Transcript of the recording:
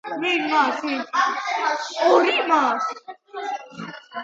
დაბალი დონე არ იძლეოდა გემების მიღების შესაძლებლობას მილეტში, თანდათან ზღვამ დაიხია რამდენიმე კილომეტრი.